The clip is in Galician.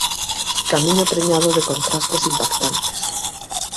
Camiño preñado de contrastes impactantes.